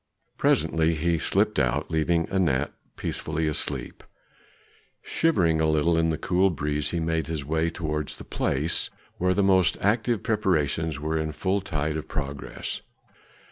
Presently he slipped out, leaving Anat peacefully asleep. Shivering a little in the cool breeze, he made his way towards the place where the most active preparations were in full tide of progress.